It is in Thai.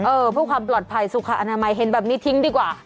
เออเพื่อความปลอดภัยสุขอนามัยเห็นแบบนี้ทิ้งดีกว่า